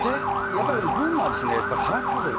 やっぱり群馬は。